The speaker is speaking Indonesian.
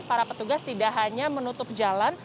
para petugas tidak hanya menutup jalan